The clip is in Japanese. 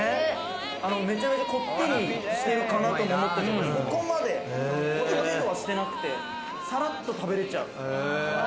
めちゃめちゃこってりしてるかなとも思ったけど、そこまでゴテゴテとはしてなくて、さらっと食べれちゃう。